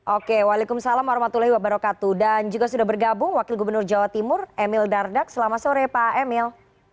oke waalaikumsalam warahmatullahi wabarakatuh dan juga sudah bergabung wakil gubernur jawa timur emil dardak selamat sore pak emil